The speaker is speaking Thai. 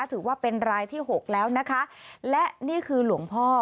ถือว่าเป็นรายที่หกแล้วนะคะและนี่คือหลวงพ่อ